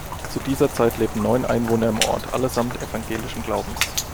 Zu dieser Zeit lebten neun Einwohner im Ort, allesamt evangelischen Glaubens.